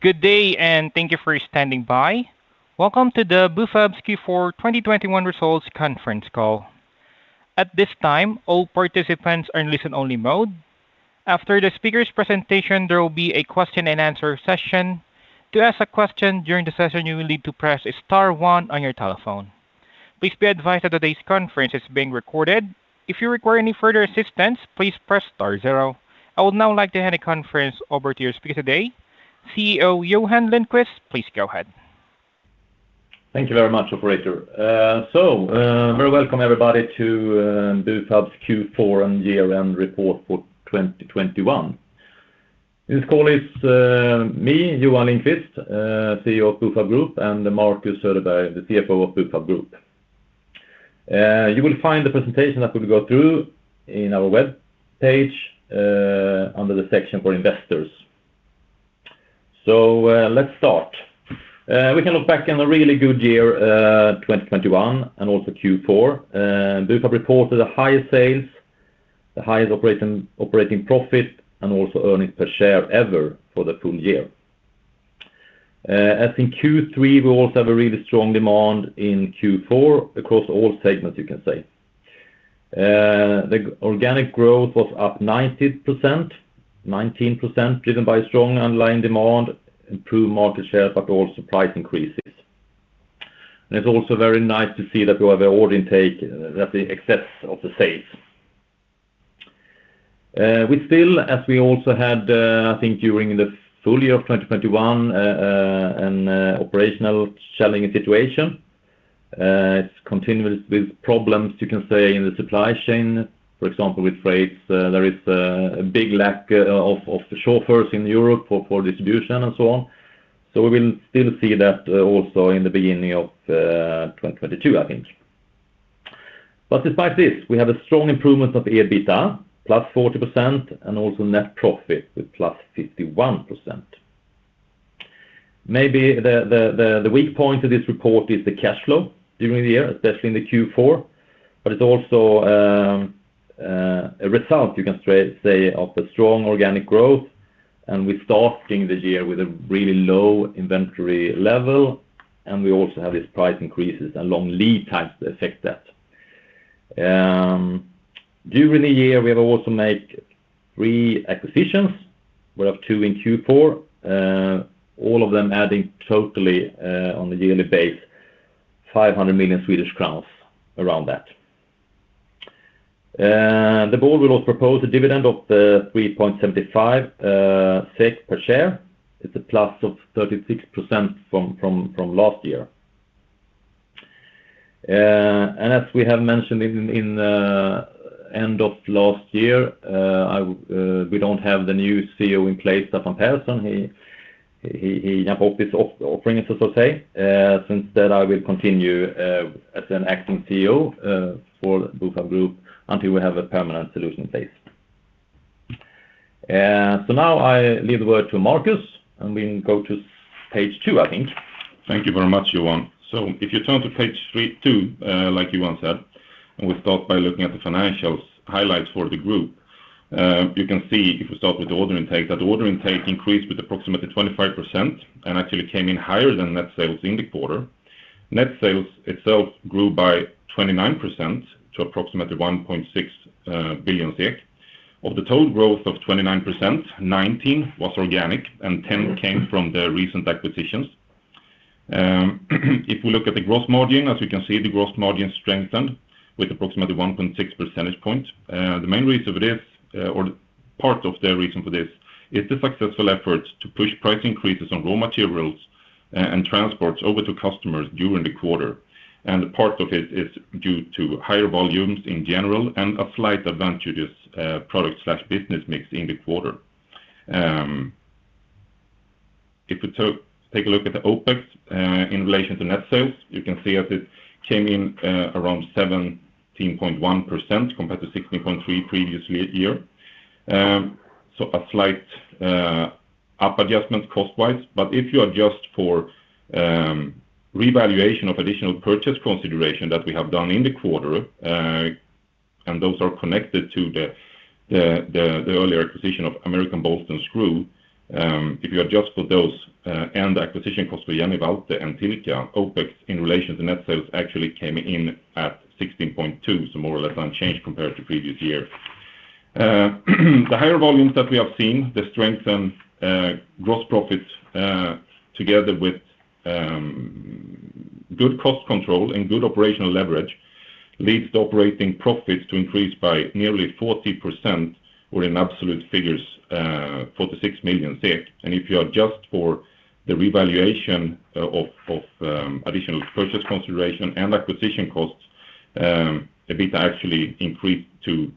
Good day, thank you for standing by. Welcome to the Bufab's Q4 2021 Results Conference Call. At this time, all participants are in listen-only mode. After the speaker's presentation, there will be a question and answer session. To ask a question during the session, you will need to press star one on your telephone. Please be advised that today's conference is being recorded. If you require any further assistance, please press star zero. I would now like to hand the conference over to your speaker today, CEO Johan Lindqvist. Please go ahead. Thank you very much, operator. Very welcome everybody to Bufab's Q4 and year-end report for 2021. This call is me, Johan Lindqvist, CEO of Bufab Group, and Marcus Söderberg, the CFO of Bufab Group. You will find the presentation that we'll go through in our webpage under the section for investors. Let's start. We can look back on a really good year, 2021 and also Q4. Bufab reported the highest sales, the highest operating profit, and also earnings per share ever for the full year. As in Q3, we also have a really strong demand in Q4 across all segments, you can say. The organic growth was up 19%, 19% driven by strong underlying demand, improved market shares, but also price increases. It's also very nice to see that we have an order intake that's in excess of the sales. We still, as we also had, I think during the full year of 2021, an operational challenging situation. It's continuous with problems, you can say, in the supply chain. For example, with rates, there is a big lack of the chauffeurs in Europe for distribution and so on. We will still see that also in the beginning of 2022, I think. Despite this, we have a strong improvement of EBITDA, +40%, and also net profit with +51%. Maybe the weak point of this report is the cash flow during the year, especially in the Q4, but it's also a result, you can say, of the strong organic growth. We're starting the year with a really low inventory level, and we also have these price increases and long lead times that affect that. During the year, we have also made three acquisitions. We have two in Q4. All of them adding totally on a yearly basis, 500 million Swedish crowns, around that. The board will also propose a dividend of 3.75 SEK per share. It's a +36% from last year. As we have mentioned in end of last year, we don't have the new CEO in place, Staffan Pehrson. Since then I will continue as Acting CEO for Bufab Group until we have a permanent solution in place. Now I leave the word to Marcus, and we can go to page 2, I think. Thank you very much, Johan. If you turn to page 2, like Johan said, and we start by looking at the financial highlights for the group, you can see if we start with the order intake, that the order intake increased with approximately 25% and actually came in higher than net sales in the quarter. Net sales itself grew by 29% to approximately 1.6 billion SEK. Of the total growth of 29%, 19% was organic and 10% came from the recent acquisitions. If we look at the gross margin, as you can see, the gross margin strengthened with approximately 1.6 percentage points. The main reason for this, or part of the reason for this is the successful efforts to push price increases on raw materials and transports over to customers during the quarter. Part of it is due to higher volumes in general and a slight advantageous product/business mix in the quarter. If you take a look at the OpEx in relation to net sales, you can see that it came in around 17.1% compared to 16.3% previous year. So a slight up adjustment cost-wise. If you adjust for revaluation of additional purchase consideration that we have done in the quarter, and those are connected to the earlier acquisition of American Bolt & Screw, if you adjust for those and acquisition costs for Jenny Waltle and Tilka, OpEx in relation to net sales actually came in at 16.2%, so more or less unchanged compared to previous year. The higher volumes that we have seen, the strengthened gross profits together with good cost control and good operational leverage leads the operating profits to increase by nearly 40% or in absolute figures, 46 million. If you adjust for the revaluation of additional purchase consideration and acquisition costs, the EBITDA actually increased to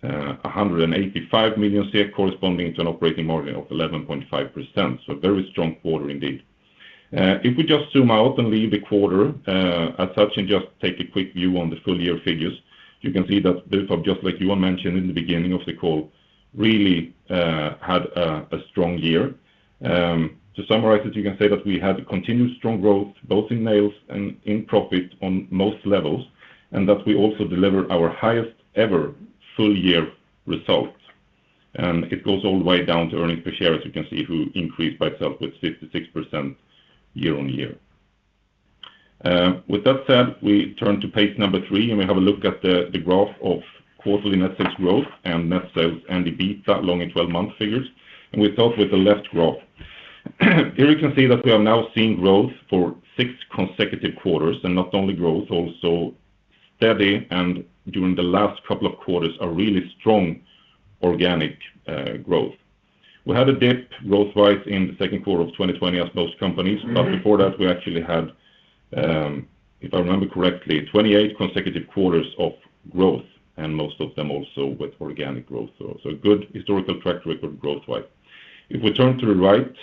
185 million, corresponding to an operating margin of 11.5%. A very strong quarter indeed. If we just zoom out and leave the quarter as such and just take a quick view on the full year figures, you can see that Bufab, just like Johan mentioned in the beginning of the call, really had a strong year. To summarize it, you can say that we had continued strong growth, both in sales and in profit on most levels, and that we also delivered our highest ever full-year results. It goes all the way down to earnings per share, as you can see, which increased by 56% year-on-year. With that said, we turn to page 3, and we have a look at the graph of quarterly net sales growth and net sales and EBITDA LTM and 12-month figures. We start with the left graph. Here you can see that we are now seeing growth for six consecutive quarters. Not only growth, also steady and during the last couple of quarters, a really strong organic growth. We had a dip growth-wise in the second quarter of 2020 as most companies. Before that, we actually had, if I remember correctly, 28 consecutive quarters of growth, and most of them also with organic growth. So a good historical track record growth-wise. If we turn to the right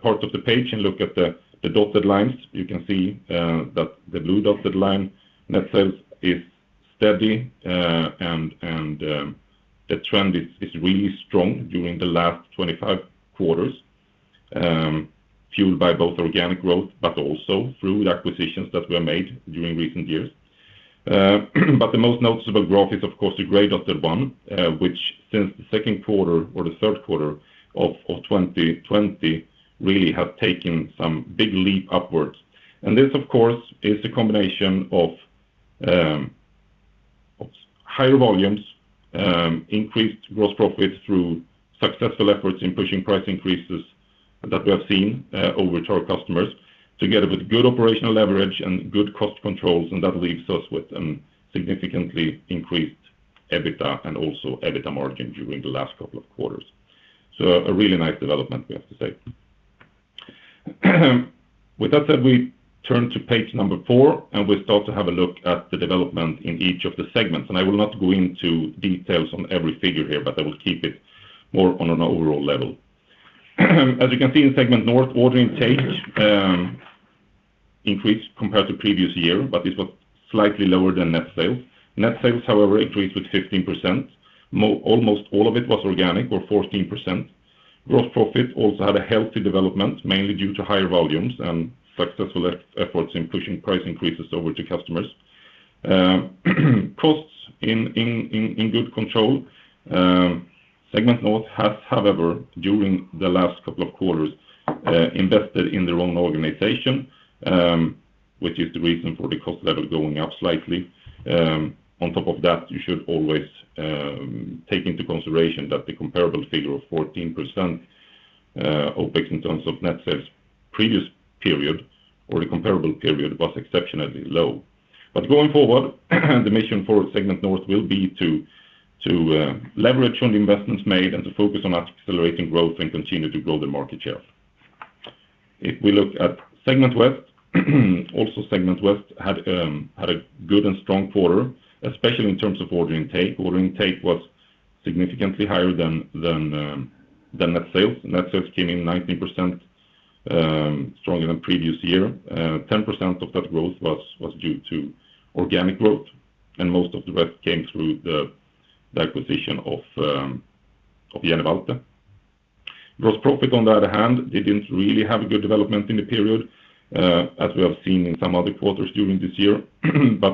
part of the page and look at the dotted lines, you can see that the blue dotted line net sales is steady and the trend is really strong during the last 25 quarters fueled by both organic growth, but also through acquisitions that were made during recent years. But the most noticeable growth is of course the gray dotted one, which since the second quarter or the third quarter of 2020 really have taken some big leap upwards. This of course is a combination of higher volumes, increased gross profits through successful efforts in pushing price increases that we have seen over to our customers, together with good operational leverage and good cost controls and that leaves us with significantly increased EBITDA and also EBITDA margin during the last couple of quarters. A really nice development, we have to say. With that said, we turn to page 4, and we start to have a look at the development in each of the segments. I will not go into details on every figure here, but I will keep it more on an overall level. As you can see in segment North, order intake increased compared to previous year, but it was slightly lower than net sales. Net sales, however, increased with 15%. Almost all of it was organic or 14%. Gross profit also had a healthy development, mainly due to higher volumes and successful efforts in pushing price increases over to customers. Costs in good control. Segment North has, however, during the last couple of quarters, invested in their own organization, which is the reason for the cost level going up slightly. On top of that, you should always take into consideration that the comparable figure of 14%, OpEx in terms of net sales previous period or the comparable period was exceptionally low. Going forward, the mission for segment North will be to leverage on the investments made and to focus on accelerating growth and continue to grow their market share. If we look at segment West, also segment West had a good and strong quarter, especially in terms of order intake. Order intake was significantly higher than net sales. Net sales came in 19% stronger than previous year. 10% of that growth was due to organic growth, and most of the rest came through the acquisition of Jenny Waltle. Gross profit, on the other hand, they didn't really have a good development in the period, as we have seen in some other quarters during this year.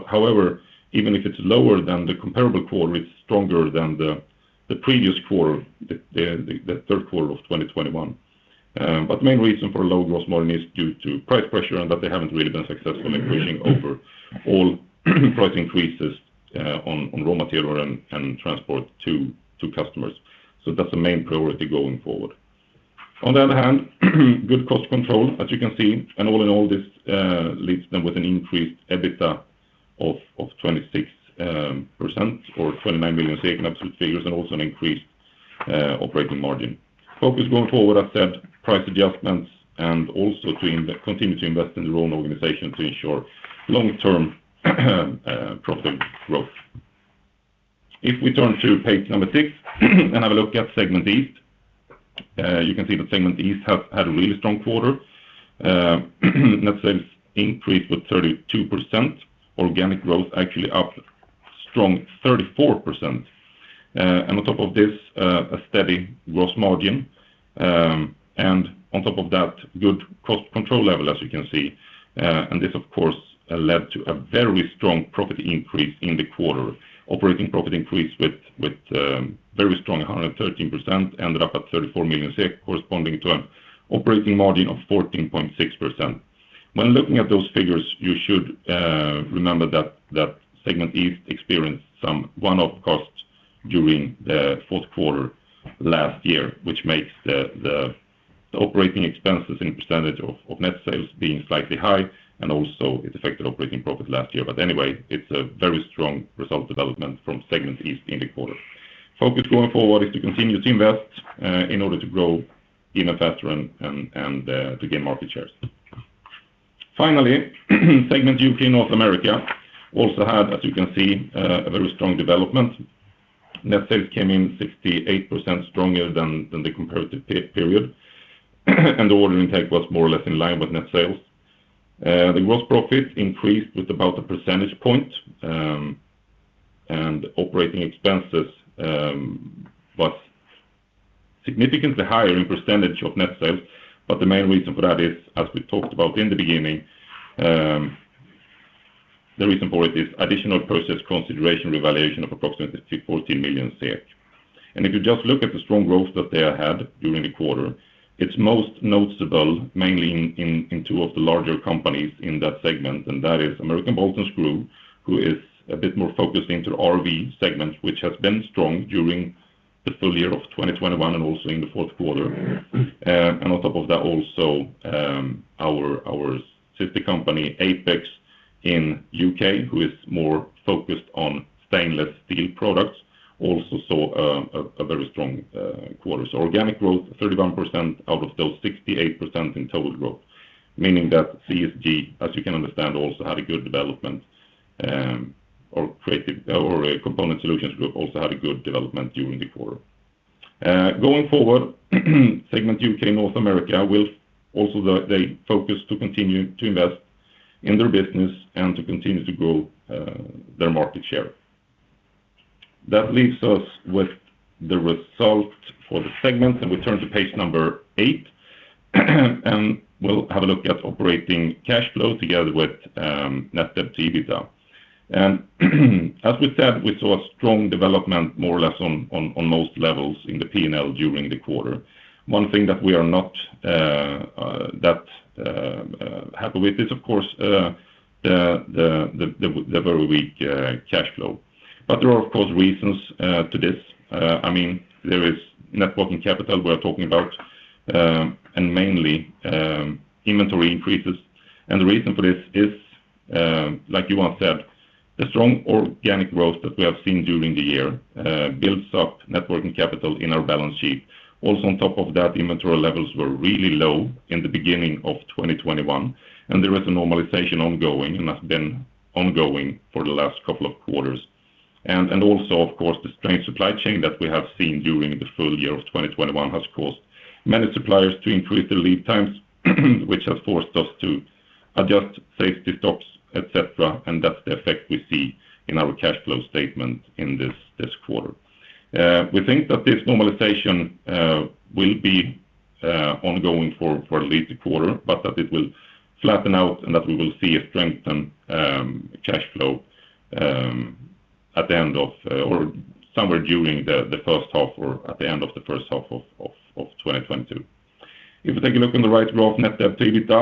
However, even if it's lower than the comparable quarter, it's stronger than the previous quarter, the third quarter of 2021. Main reason for low gross margin is due to price pressure and that they haven't really been successful in pushing overall price increases on raw material and transport to customers. That's the main priority going forward. On the other hand, good cost control, as you can see. All in all, this leaves them with an increased EBITDA of 26% or 29 million SEK in absolute figures and also an increased operating margin. Focus going forward, as said, price adjustments and also to continue to invest in their own organization to ensure long-term profit growth. If we turn to page number 6 and have a look at segment East. You can see that segment East had a really strong quarter. Net sales increased with 32%. Organic growth actually up strong 34%. On top of this, a steady gross margin. On top of that, good cost control level, as you can see. This of course led to a very strong profit increase in the quarter. Operating profit increased with very strong a 113%, ended up at 34 million SEK, corresponding to an operating margin of 14.6%. When looking at those figures, you should remember that Segment East experienced some one-off costs during the fourth quarter last year, which makes the operating expenses in percentage of net sales being slightly high, and also it affected operating profit last year. Anyway, it's a very strong result development from Segment East in the quarter. Focus going forward is to continue to invest in order to grow even faster and to gain market shares. Finally, segment U.K., North America also had, as you can see, a very strong development. Net sales came in 68% stronger than the comparative period, and the order intake was more or less in line with net sales. The gross profit increased with about a percentage point, and operating expenses was significantly higher in percentage of net sales, but the main reason for that is, as we talked about in the beginning, the reason for it is additional purchase consideration revaluation of approximately 14 million SEK. If you just look at the strong growth that they had during the quarter, it's most noticeable mainly in two of the larger companies in that segment, and that is American Bolt & Screw, who is a bit more focused into RV segment, which has been strong during the full year of 2021 and also in the fourth quarter. On top of that also, our sister company, Apex in U.K., who is more focused on stainless steel products, also saw a very strong quarter. Organic growth, 31% out of those 68% in total growth. Meaning that CSG, as you can understand, also had a good development, a Component Solutions Group also had a good development during the quarter. Going forward, segment U.K., North America will also focus to continue to invest in their business and to continue to grow their market share. That leaves us with the result for the segments, and we turn to page number 8, and we'll have a look at operating cash flow together with net debt to EBITDA. As we said, we saw a strong development more or less on most levels in the P&L during the quarter. One thing that we are not happy with is of course the very weak cash flow. There are, of course, reasons to this. I mean, there is net working capital we are talking about, and mainly inventory increases. The reason for this is, like Johan said, the strong organic growth that we have seen during the year builds up net working capital in our balance sheet. Also on top of that, inventory levels were really low in the beginning of 2021, and there is a normalization ongoing and has been ongoing for the last couple of quarters. Also, of course, the strained supply chain that we have seen during the full year of 2021 has caused many suppliers to increase their lead times, which has forced us to adjust safety stocks, et cetera, and that's the effect we see in our cash flow statement in this quarter. We think that this normalization will be ongoing for at least a quarter, but that it will flatten out and that we will see a strengthened cash flow at the end of or somewhere during the first half or at the end of the first half of 2022. If you take a look on the right row of net debt to EBITDA,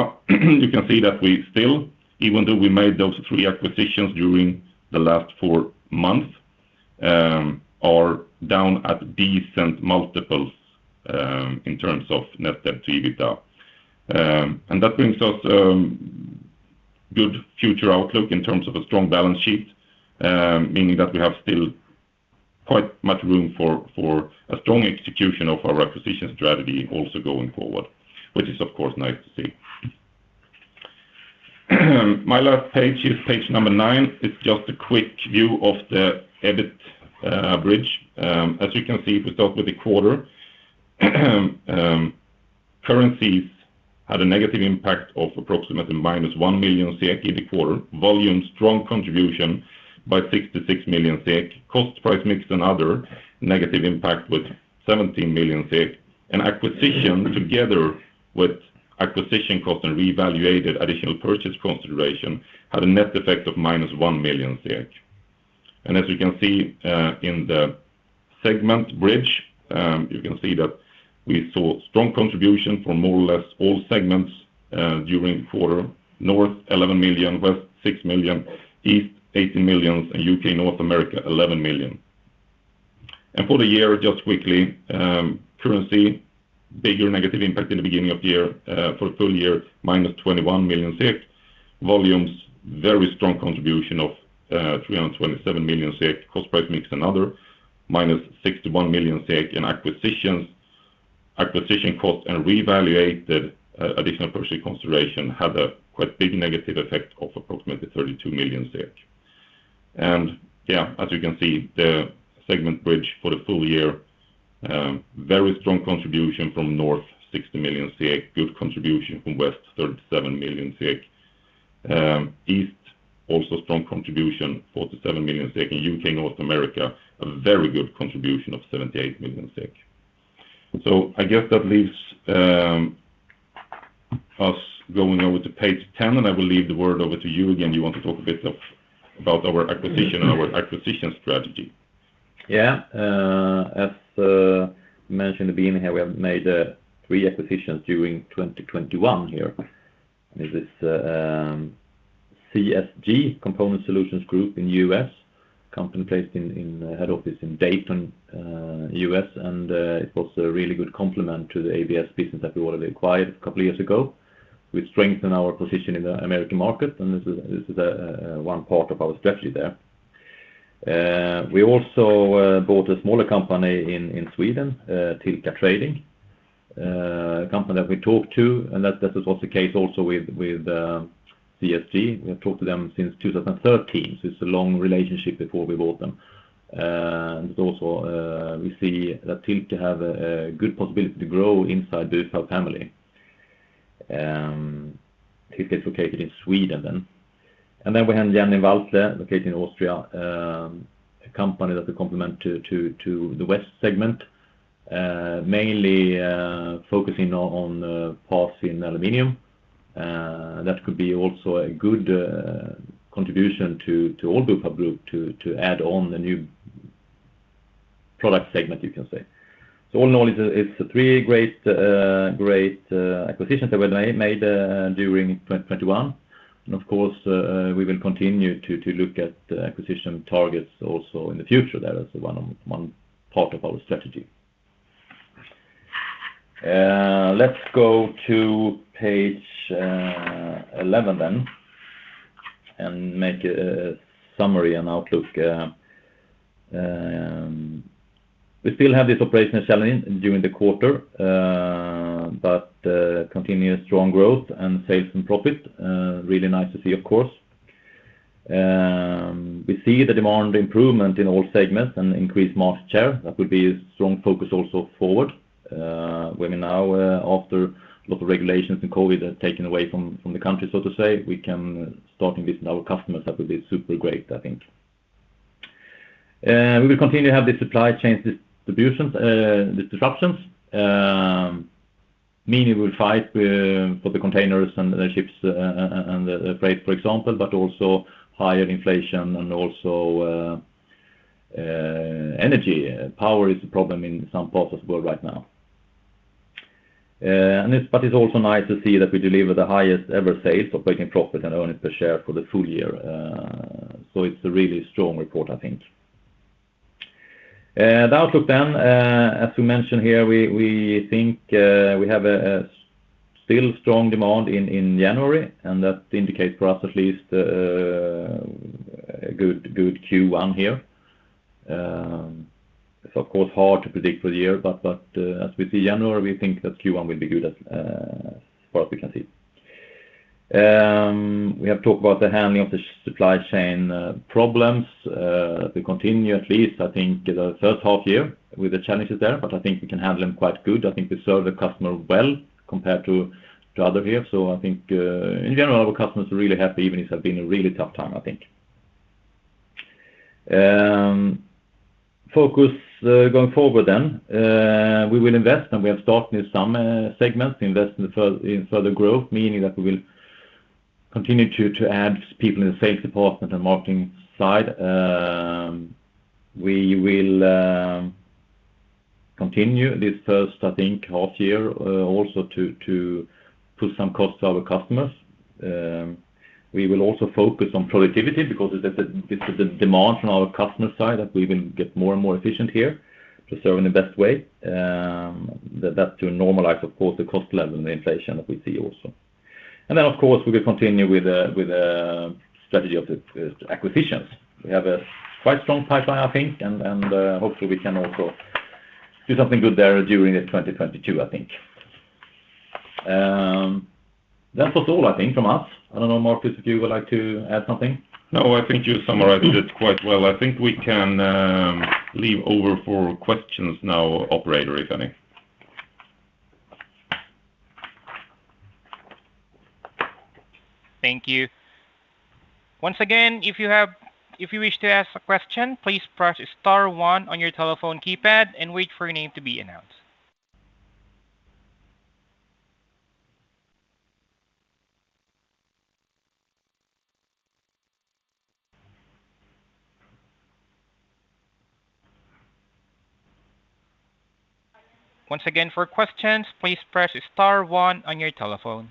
you can see that we still, even though we made those three acquisitions during the last 4 months, are down at decent multiples in terms of net debt to EBITDA. That brings us good future outlook in terms of a strong balance sheet, meaning that we have still quite much room for a strong execution of our acquisition strategy also going forward, which is of course nice to see. My last page is page 9. It's just a quick view of the EBIT bridge. As you can see, we start with the quarter. Currencies had a negative impact of approximately -1 million SEK in the quarter. Volume, strong contribution by 66 million SEK. Cost price mix and other, negative impact with 17 million SEK. Acquisition together with acquisition cost and reevaluated additional purchase consideration had a net effect of -1 million. As you can see, in the segment bridge, you can see that we saw strong contribution from more or less all segments during the quarter. North, 11 million, West, 6 million, East, 18 million, and U.K., North America, 11 million. For the year, just quickly, currency, bigger negative impact in the beginning of the year, for full year, -21 million. Volumes, very strong contribution of 327 million. Cost price mix and other, -61 million. Acquisitions, acquisition cost and reevaluated additional purchase consideration had a quite big negative effect of approximately 32 million. Yeah, as you can see, the segment bridge for the full year, very strong contribution from North, 60 million SEK, good contribution from West, 37 million SEK. East, also strong contribution, 47 million SEK, and U.K., North America, a very good contribution of 78 million SEK. I guess that leaves us going over to page 10, and I will leave the word over to you again. Do you want to talk a bit about our acquisition and our acquisition strategy? Yeah. As mentioned in the beginning here, we have made three acquisitions during 2021 here. This is CSG, Component Solutions Group in U.S., company placed in head office in Dayton, U.S. It was a really good complement to the ABS business that we already acquired a couple years ago. We strengthen our position in the American market, and this is one part of our strategy there. We also bought a smaller company in Sweden, Tilka Trading, a company that we talked to, and that was also the case with CSG. We have talked to them since 2013, so it's a long relationship before we bought them. Also, we see that Tilka have a good possibility to grow inside the Bufab family. It is located in Sweden then. We have Jenny Waltle located in Austria, a company that they complement to the West segment, mainly focusing on parts in aluminum. That could be also a good contribution to all Bufab to add on the new product segment, you can say. All in all, it's three great acquisitions that were made during 2021. Of course, we will continue to look at the acquisition targets also in the future. That is one part of our strategy. Let's go to page 11 then and make a summary and outlook. We still have this operational challenge during the quarter, but continuous strong growth and sales and profit, really nice to see, of course. We see the demand improvement in all segments and increased market share. That will be a strong focus also forward, when now after a lot of regulations and COVID are taken away from the country, so to say, we can start investing in our customers. That will be super great, I think. We will continue to have the supply chain disruptions, meaning we'll fight for the containers and the ships and the freight, for example, but also higher inflation and also energy. Power is a problem in some parts of the world right now. It's also nice to see that we deliver the highest ever sales, operating profit, and earnings per share for the full year. It's a really strong report, I think. As we mentioned here, we think we have a still strong demand in January, and that indicates for us at least a good Q1 here. It's of course hard to predict for the year, as we see January, we think that Q1 will be good as far as we can see. We have talked about the handling of the supply chain problems. They continue at least, I think, the first half year with the challenges there, but I think we can handle them quite good. I think we serve the customer well compared to other years. I think in general, our customers are really happy even if it's been a really tough time, I think. Focus going forward then. We will invest, and we have started in some segments, invest in further growth, meaning that we will continue to add people in the sales department and marketing side. We will continue this first, I think, half year also to put some costs to our customers. We will also focus on productivity because this is a demand from our customer side that we will get more and more efficient here to serve in the best way. That to normalize, of course, the cost level and the inflation that we see also. Of course, we will continue with the strategy of acquisitions. We have a quite strong pipeline, I think, and hopefully we can also do something good there during this 2022, I think. That was all I think from us. I don't know, Marcus, if you would like to add something. No, I think you summarized it quite well. I think we can leave over for questions now, operator, if any. Thank you. Once again, if you wish to ask a question, please press star one on your telephone keypad and wait for your name to be announced. Once again, for questions, please press star one on your telephone.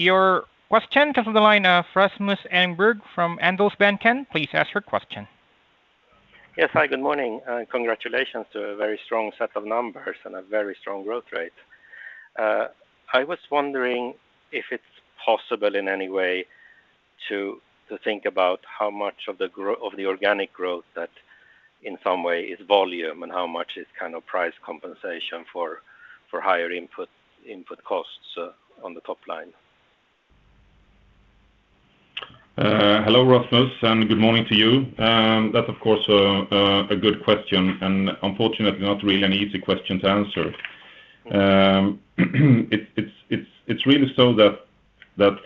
Your question comes from the line of Rasmus Engberg from Handelsbanken. Please ask your question. Yes. Hi, good morning, and congratulations to a very strong set of numbers and a very strong growth rate. I was wondering if it's possible in any way to think about how much of the organic growth that in some way is volume, and how much is kind of price compensation for higher input costs on the top line. Hello, Rasmus, and good morning to you. That's of course a good question, and unfortunately not really an easy question to answer. It's really so that,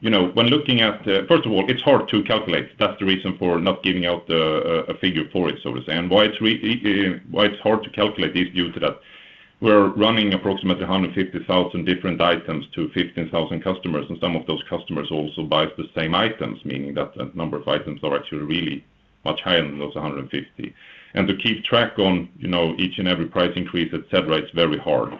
you know, when looking at. First of all, it's hard to calculate. That's the reason for not giving out a figure for it, so to say. Why it's hard to calculate is due to that we're running approximately 150,000 different items to 15,000 customers, and some of those customers also buy the same items, meaning that the number of items are actually really much higher than those 150. To keep track on, you know, each and every price increase, et cetera, it's very hard.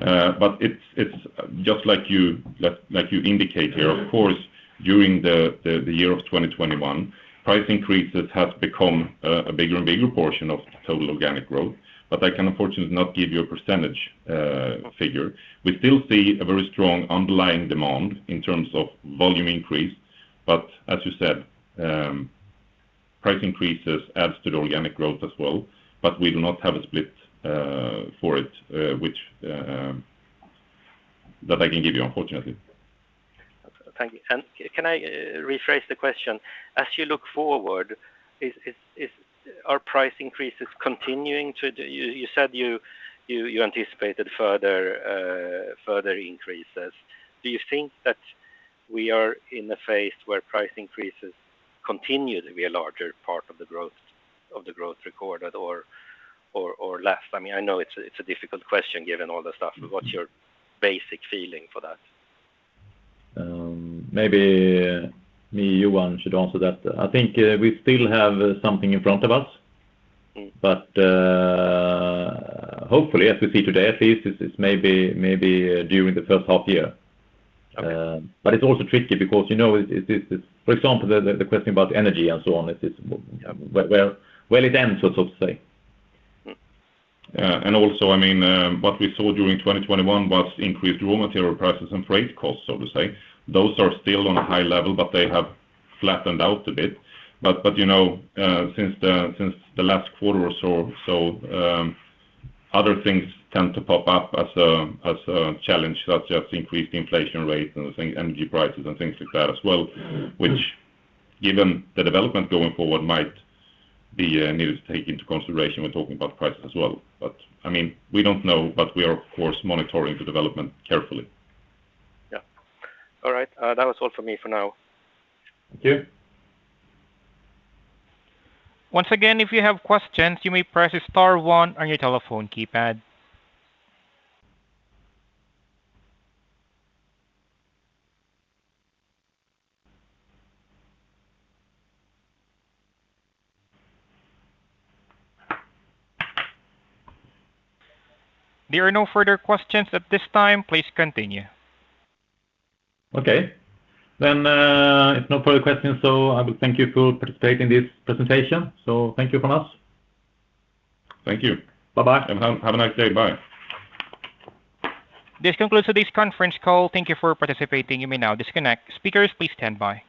But it's just like you, like, you indicate here. Of course, during the year of 2021, price increases have become a bigger and bigger portion of total organic growth, but I can unfortunately not give you a percentage figure. We still see a very strong underlying demand in terms of volume increase. As you said, price increases adds to the organic growth as well, but we do not have a split for it, which, that I can give you, unfortunately. Thank you. Can I rephrase the question? As you look forward, are price increases continuing to? You said you anticipated further increases. Do you think that we are in a phase where price increases continue to be a larger part of the growth recorded or less? I mean, I know it's a difficult question given all the stuff. What's your basic feeling for that? Maybe me, Johan, should answer that. I think, we still have something in front of us. Mm. Hopefully, as we see today, at least it's maybe during the first half year. Okay. It's also tricky because, you know, for example, the question about energy and so on. It is where it ends, so to say. Yeah. Also, I mean, what we saw during 2021 was increased raw material prices and freight costs, so to say. Those are still on a high level, but they have flattened out a bit. But you know, since the last quarter or so other things tend to pop up as a challenge, such as increased inflation rates and energy prices and things like that as well, which given the development going forward might be needed to take into consideration when talking about prices as well. I mean, we don't know, but we are, of course, monitoring the development carefully. Yeah. All right. That was all for me for now. Thank you. Once again, if you have questions, you may press star one on your telephone keypad. There are no further questions at this time. Please continue. Okay. If no further questions, so I will thank you for participating in this presentation. Thank you from us. Thank you. Bye-bye. Have a nice day. Bye. This concludes today's conference call. Thank you for participating. You may now disconnect. Speakers, please stand by.